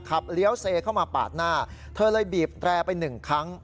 เลี้ยวเซเข้ามาปาดหน้าเธอเลยบีบแตรไปหนึ่งครั้ง